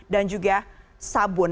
dan juga sabun